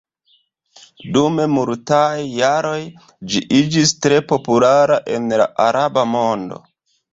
Dum multaj jaroj ĝi iĝis tre populara en la araba mondo.